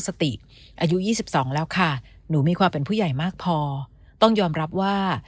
อายุ๒๒แล้วค่ะหนูมีความเป็นผู้ใหญ่มากพอต้องยอมรับว่า